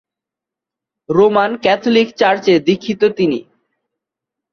Roman Catholic চার্চে দীক্ষিত তিনি।